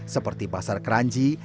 seperti pasar keranji